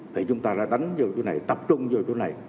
thì chúng ta đã đánh vô chỗ này tập trung vô chỗ này